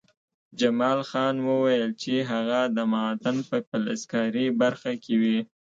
جمال خان وویل چې هغه د معدن په فلزکاري برخه کې وي